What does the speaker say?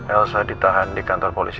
elsa ditahan di kantor polisi